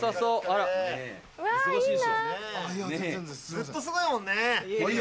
ずっとすごいもんね。